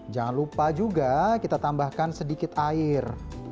jangan lupa juga kita tambahkan sedikit air